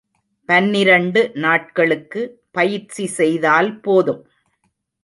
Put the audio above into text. பனிரண்டு நாட்களுக்கு பயிற்சி செய்தால் போதும்.